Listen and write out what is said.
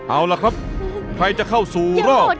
เอาล่ะครับใครจะเข้าสู่รอบ